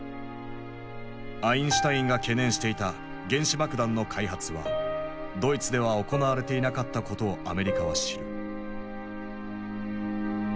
アインシュタインが懸念していた原子爆弾の開発はドイツでは行われていなかったことをアメリカは知る。